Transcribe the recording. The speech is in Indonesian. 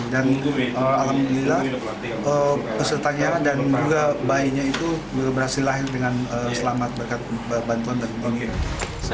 dan alhamdulillah pesertanya dan juga bayinya itu berhasil lahir dengan selamat berkat bantuan dan kebunnya